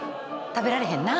食べられへんな。